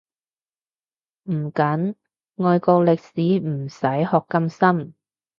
唔緊，外國歷史唔使學咁深